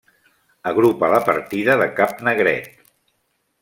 Agrupa la partida de Cap Negret.